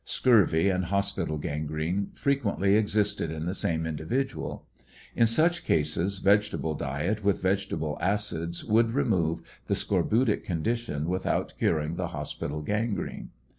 Scurvy and hospital gangTcne frequently existed in the same individual. In such cases vegetable diet, with vegetable acids would remove the scorbutic condition without curing the hospital gangrene.